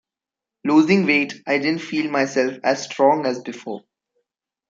Losing weight I didn't feel myself as strong as before.